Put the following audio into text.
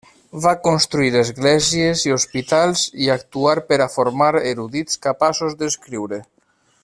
Va construir esglésies i hospitals i actuar per a formar erudits capaços d'escriure.